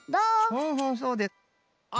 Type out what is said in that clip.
ふんふんそうであっ！